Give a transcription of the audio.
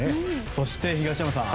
そして、東山さん